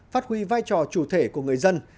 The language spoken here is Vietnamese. phát huy vai trò chủ thể của người dân